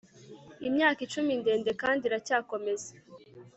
Imyaka icumi ndende kandi iracyakomeza